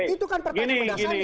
itu kan pertanyaan berdasarnya